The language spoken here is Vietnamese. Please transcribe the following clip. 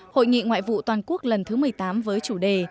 hội nghị ngoại vụ toàn quốc lần thứ một mươi tám với chủ đề